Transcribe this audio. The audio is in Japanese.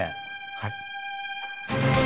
はい。